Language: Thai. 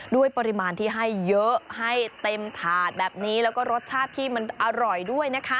ด้วยปริมาณที่ให้เยอะให้เต็มถาดแบบนี้แล้วก็รสชาติที่มันอร่อยด้วยนะคะ